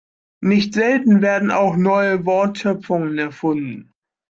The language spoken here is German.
Nicht selten werden auch neue Wortschöpfungen erfunden.